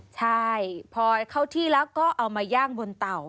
ใช่พอเข้าที่แล้วก็เอามาย่างบนเต่า